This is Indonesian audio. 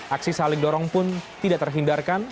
aksi saling dorong pun tidak terhindarkan